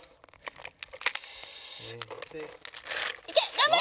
頑張れ！